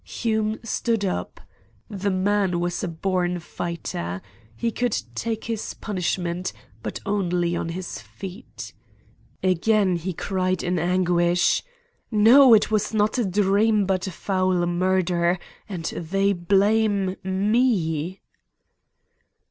Hume stood up. The man was a born fighter. He could take his punishment, but only on his feet. Again he cried in anguish: "No! It was no dream, but a foul murder. And they blame me!"